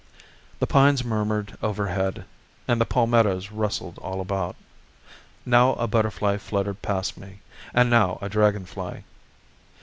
The pines murmured overhead, and the palmettos rustled all about. Now a butterfly fluttered past me, and now a dragonfly.